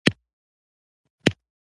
هغه شپه هېڅ پوه نشوم چې څه ډول ویده شوي وو